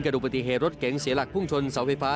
ดูปฏิเหตุรถเก๋งเสียหลักพุ่งชนเสาไฟฟ้า